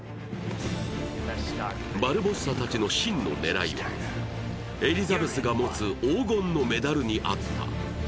バルボッサたちの真の狙いは、エリザベスが持つ黄金のメダルにあった。